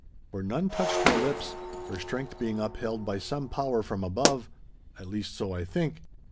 For none touched her lips, her strength being upheld by some power from above; at least, so I think.